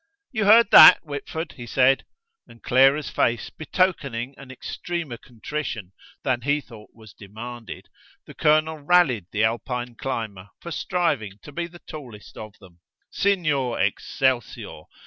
"You heard that, Whitford?" he said, and Clara's face betokening an extremer contrition than he thought was demanded, the colonel rallied the Alpine climber for striving to be the tallest of them Signor Excelsior!